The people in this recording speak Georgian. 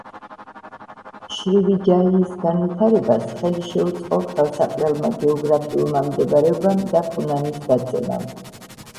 შრივიჯაიის განვითარებას ხელი შეუწყო ხელსაყრელმა გეოგრაფიულმა მდებარეობამ და ფუნანის დაცემამ.